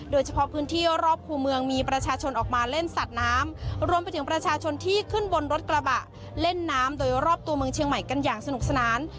โดยเฉพาะพื้นที่รอบคู่เมืองมีประชาชนออกมาเล่นสัตว์น้ำรวมไปถึงประชาชนที่ขึ้นบนรถกระบะเล่นน้ำโดยรอบตัวเมืองเชียงใหม่กันอย่างสนุกสนาน